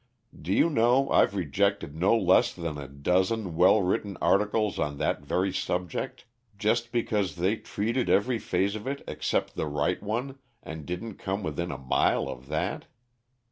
Do you know I've rejected no less than a dozen well written articles on that very subject, just because they treated every phase of it except the right one, and didn't come within a mile of that.